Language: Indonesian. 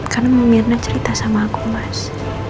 karena mama mirna cerita sama aku mas